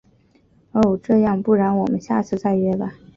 哦……这样，不然我们下次再约吧。